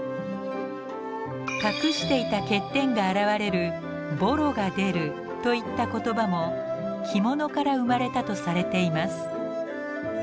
隠していた欠点が現れる「ぼろが出る」といった言葉も着物から生まれたとされています。